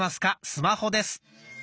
スマホ」です。